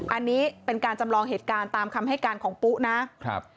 อันนี้เป็นการจำลองเหตุการณ์ตามคำให้การของปุ๊นะครับ